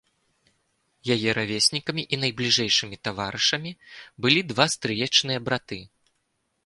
Яе равеснікамі і найбліжэйшымі таварышамі былі два стрыечныя браты.